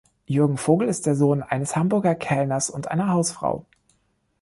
Jürgen Vogel ist der Sohn eines Hamburger Kellners und einer Hausfrau.